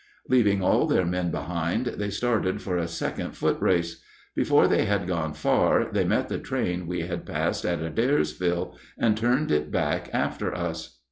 Leaving all their men behind, they started for a second foot race. Before they had gone far they met the train we had passed at Adairsville and turned it back after us.